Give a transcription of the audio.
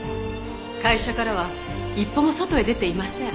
会社からは一歩も外へ出ていません。